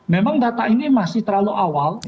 memang data ini masih terlalu awal